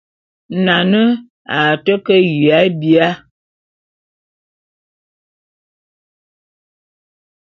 Nane a te ke jii biya.